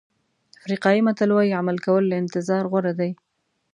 افریقایي متل وایي عمل کول له انتظار غوره دي.